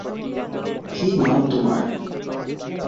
কি নাম তোমার?